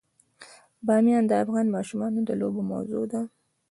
بامیان د افغان ماشومانو د لوبو موضوع ده.